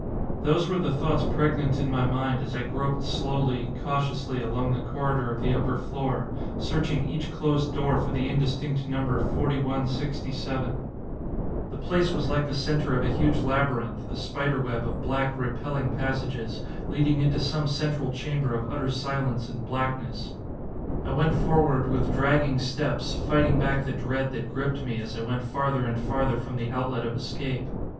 Those were the thoughts pregnant in my mind as I groped slowly, cautiously along the corridor of the upper floor, searching each closed door for the indistinct number 4167. The place was like the center of a huge labyrinth, a spider web of black, repelling passages, leading into some central chamber of utter silence and blackness. I went forward with dragging steps, fighting back the dread that gripped me as I went farther and farther from the outlet of escape.